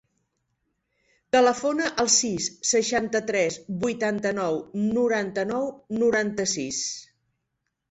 Telefona al sis, seixanta-tres, vuitanta-nou, noranta-nou, noranta-sis.